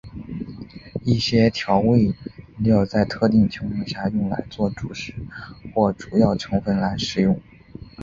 一些调味料在特定情况下用来作主食或主要成分来食用。